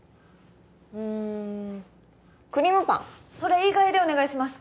うんクリームパンそれ以外でお願いします